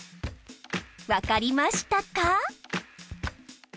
わかりましたか？